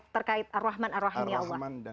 terkait ar rahman ar rahim